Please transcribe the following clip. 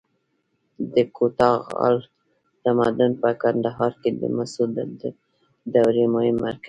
د کوتاه غال تمدن په کندهار کې د مسو د دورې مهم مرکز و